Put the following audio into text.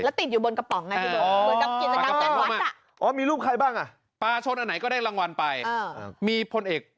แล้วติดอยู่บนกระป๋องไงพี่บอก